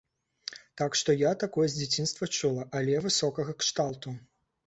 Так што я такое з дзяцінства чула, але высокага кшталту.